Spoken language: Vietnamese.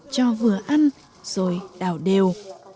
cho vừa ăn rồi đảo đều